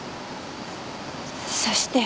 そして。